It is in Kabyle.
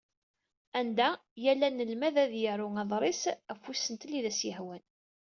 Anda yal anelmad ad yaru aḍris ɣef usentel i d as-yehwan.